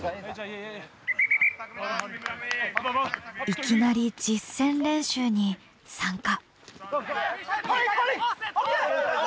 いきなり実戦練習に参加。